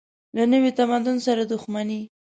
له نوي تمدن سره دښمني.